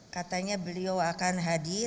katanya beliau akan hadir